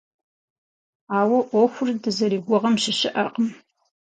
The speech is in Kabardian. Ауэ ӏуэхур дызэригугъэм щыщыӏэкъым.